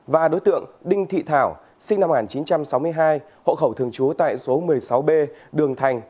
và đối tượng đinh thị thảo sinh năm một nghìn chín trăm sáu mươi hai hộ khẩu thường trú tại số một mươi sáu b đường thành